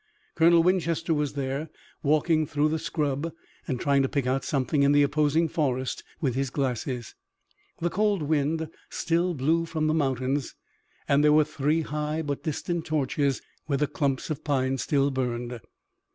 Colonel Winchester was there walking through the scrub and trying to pick out something in the opposing forest with his glasses. The cold wind still blew from the mountains, and there were three high but distant torches, where the clumps of pines still burned.